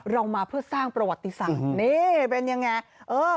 เรามาเพื่อสร้างประวัติศาสตร์นี่เป็นยังไงเออ